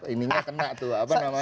ini nya kena tuh apa namanya